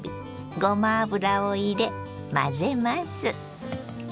ごま油を入れ混ぜます。